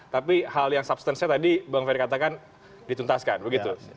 tapi hal yang substance nya tadi bang ferry katakan dituntaskan begitu